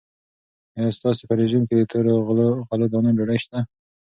آیا ستاسو په رژیم کې د تورو غلو دانو ډوډۍ شته؟